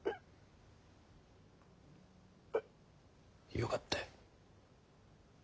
よかった。